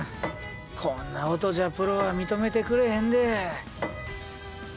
こんな音じゃプロは認めてくれへんで。